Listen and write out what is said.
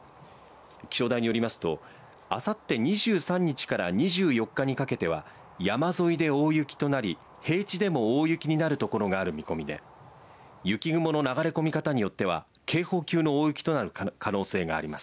気象台によりますとあさって２３日から２４日にかけては山沿いで、大雪となり平地でも大雪になる所がある見込みで雪雲の流れ込み方によっては警報級の大雪となる可能性があります。